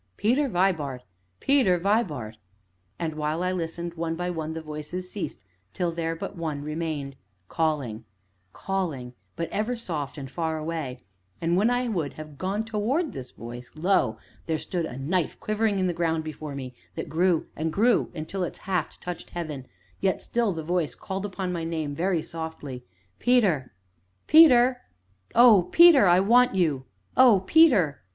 "Peter Vibart Peter Vibart!" And, while I listened, one by one the voices ceased, till there but one remained calling, calling, but ever soft and far away, and when I would have gone toward this voice lo! there stood a knife quivering in the ground before me, that grew and grew until its haft touched heaven, yet still the voice called upon my name very softly: "Peter! Peter! oh, Peter, I want you! oh, Peter!